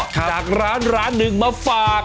จากร้านร้านหนึ่งมาฝาก